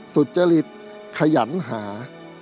สุจริตขยันหา